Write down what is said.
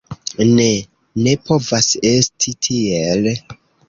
Ne, ne povas esti tiel.